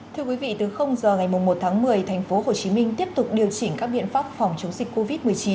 thưa quý vị từ giờ ngày một tháng một mươi thành phố hồ chí minh tiếp tục điều chỉnh các biện pháp phòng chống dịch covid một mươi chín